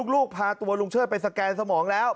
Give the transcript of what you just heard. ลูกพาตัวลุงเชิดไปสแกนสมองแล้ว